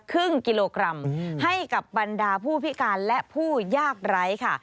ครึ่งกิโลกรัมให้กับบรรดาผู้พิการและผู้ยากไร้ค่ะ